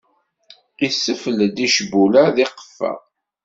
Isfel-d icbula d iqeffa.